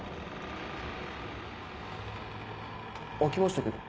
開きましたけど。